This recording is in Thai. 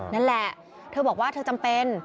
นั่นแหละเธอบอกว่าเธอจำเป็น